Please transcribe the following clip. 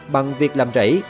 bằng việc làm rẫy